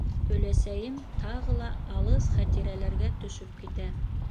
Өләсәйем тағы ла алыҫ хәтирәләргә төшөп китә.